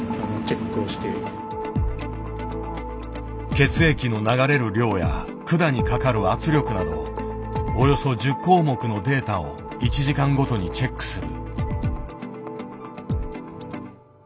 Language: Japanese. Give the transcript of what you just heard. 血液の流れる量や管にかかる圧力などおよそ１０項目のデータを１時間ごとにチェックする。